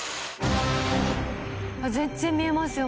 全然見えますよ